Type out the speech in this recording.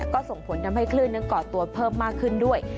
ก็ส่งผลทำให้คลื่นนั้นก่อตัวเพิ่มมากขึ้นด้วย